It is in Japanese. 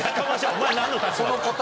お前何の立場だ。